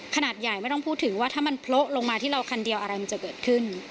ขนาดใหญ่ไม่ต้องพูดถึงว่าถ้ามันโละลงมาที่เราคันเดียวอะไรมันจะเกิดขึ้น